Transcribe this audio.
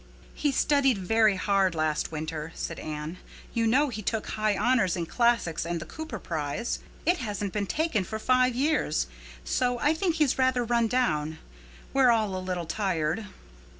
"He studied very hard last winter," said Anne. "You know he took High Honors in Classics and the Cooper Prize. It hasn't been taken for five years! So I think he's rather run down. We're all a little tired."